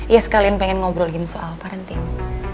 ya sekalian pengen ngobrolin soal parenting